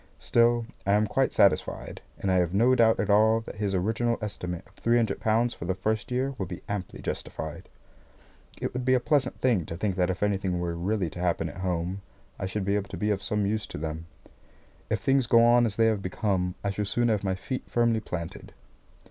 Still, I am quite satisfied, and I have no doubt at all that his original estimate of three hundred pounds for the first year will be amply justified. It would be a pleasant thing to think that if anything were really to happen at home, I should be able to be of some use to them. If things go on as they have begun, I shall soon have my feet firmly planted.